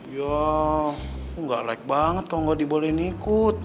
ya gue gak like banget kalo gak dibolehin ikut